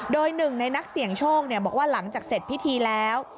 โดยหนึ่งในนักเสี่ยงโชคบอกว่าหลังจากเสร็จพิธีแล้ว